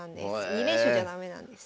２連勝じゃ駄目なんですね。